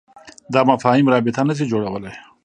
دا مفاهیم رابطه نه شي جوړولای.